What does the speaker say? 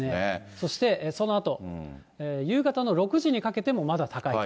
そして、そのあと、夕方の６時にかけてもまだ高い。